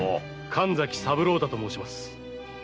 神崎三郎太と申します。